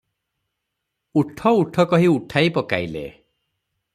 ଉଠ ଉଠ, କହି ଉଠାଇ ପକାଇଲେ ।